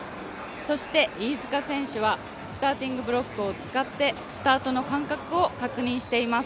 そして飯塚選手はスターティング・ブロックを使ってスタートの感覚を確認しています。